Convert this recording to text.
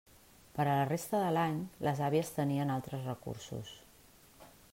Per a la resta de l'any, les àvies tenien altres recursos.